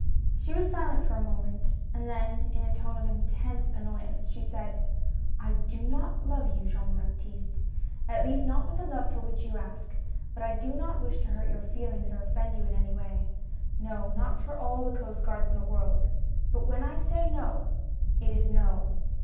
She was silent for a moment, and then, in a tone of intense annoyance, she said : "I do not love you, Jean Baptiste, at least not with the love for which you ask ; but I do not v^ish to hurt your feelings or offend you in any way. No, not for all the Coast Guards in the world, but when I say no, it is no.